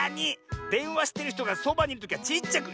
でんわしてるひとがそばにいるときはちっちゃく。